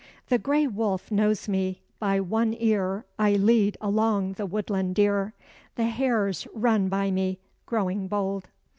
The gray wolf knows me; by one ear I lead along the woodland deer; The hares run by me, growing bold.